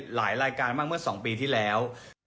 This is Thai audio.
หลายรายการมากเมื่อ๒ปีที่แล้ว